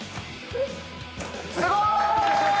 すごい！